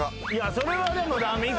それはでも駄目。